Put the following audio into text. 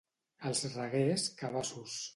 Als Reguers, cabassos.